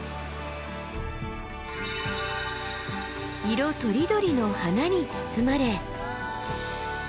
色とりどりの花に包まれ。